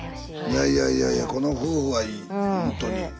いやいやいやいやこの夫婦はいいほんとに。